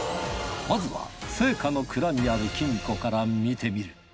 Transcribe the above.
まずは生家の蔵にある金庫から見てみる